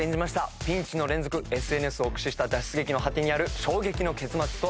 ピンチの連続ＳＮＳを駆使した脱出劇の果てにある衝撃の結末とは？